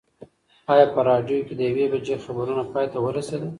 ایا په راډیو کې د یوې بجې خبرونه پای ته ورسېدل؟